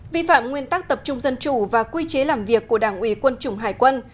vi phạm nguyên tắc tập trung dân chủ và quy chế làm việc của đảng ủy quân chủng hải quân